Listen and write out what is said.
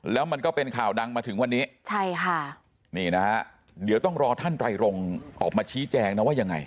แล้วมันก็เป็นข่าวดังมาถึงวันนี้ใช่ค่ะนี่นะฮะเดี๋ยวต้องรอท่านไตรรงค์ออกมาชี้แจงนะว่ายังไง